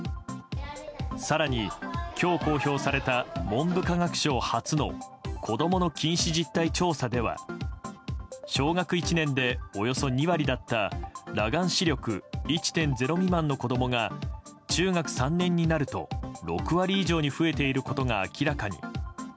更に今日公表された文部科学省初の子供の近視実態調査では小学１年でおよそ２割だった裸眼視力１．０未満の子供が中学３年になると６割以上に増えていることが明らかに。